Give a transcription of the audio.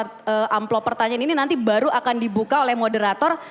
itu dia kotak perisi amplopertanyaan ini nanti baru akan dibuka oleh moderator